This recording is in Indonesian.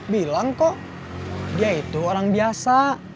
bilang kok dia itu orang biasa